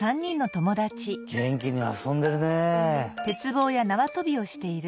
げんきにあそんでるね！